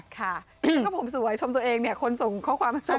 แล้วก็ผมสวยชมตัวเองเนี่ยคนส่งข้อความมาชม